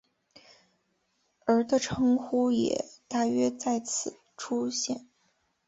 而的称呼也大约在此时出现。